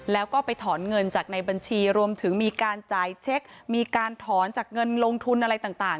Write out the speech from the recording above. แล้วก็ไปถอนเงินจากในบัญชีรวมถึงมีการจ่ายเช็คมีการถอนจากเงินลงทุนอะไรต่าง